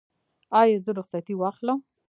ایا زه رخصتي واخلم؟